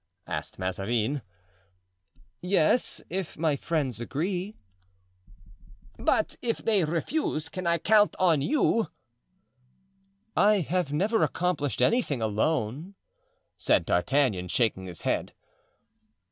asked Mazarin. "Yes, if my friends agree." "But if they refuse can I count on you?" "I have never accomplished anything alone," said D'Artagnan, shaking his head.